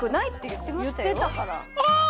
言ってたからあ！